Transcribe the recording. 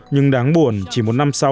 nhưng đáng buồn chỉ một năm sau